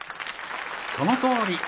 そのとおり。